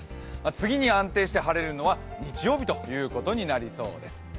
次に安定して晴れるのは日曜日となりそうです。